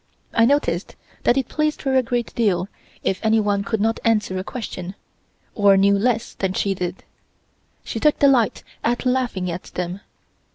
I noticed that it pleased her a great deal if anyone could not answer a question, or knew less than she did. She took delight in laughing at them.